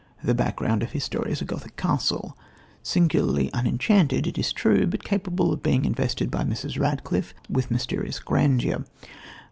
The background of his story is a Gothic castle, singularly unenchanted it is true, but capable of being invested by Mrs. Radcliffe with mysterious grandeur.